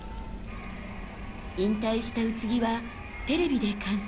引退した宇津木はテレビで観戦。